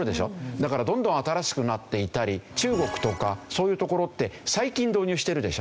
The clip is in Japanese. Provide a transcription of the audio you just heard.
だからどんどん新しくなっていたり中国とかそういう所って最近導入してるでしょ。